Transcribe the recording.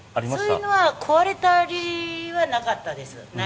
そういうのは壊れたりはなかったです。